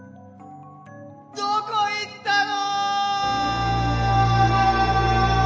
どこいったの！？